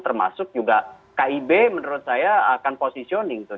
termasuk juga kib menurut saya akan positioning tuh